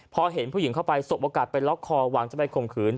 พอเห็นผู้หญิงเข้าไปสบโอกาสไปล็อกคอหวังจะไปข่มขืน